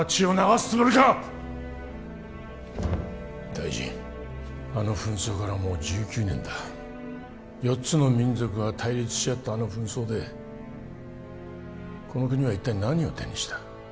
大臣あの紛争からもう１９年だ４つの民族が対立し合ったあの紛争でこの国は一体何を手にした？